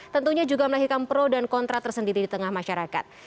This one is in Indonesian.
tentunya juga melahirkan pro dan kontra tersendiri di tengah masyarakat